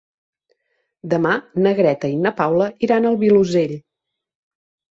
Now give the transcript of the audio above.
Demà na Greta i na Paula iran al Vilosell.